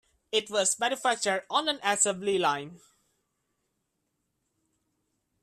It was manufactured on an assembly line.